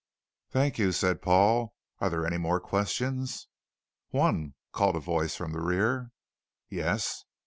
"Thank you," said Paul. "Are there any more questions?" "One," called a voice from the rear. "Yes?"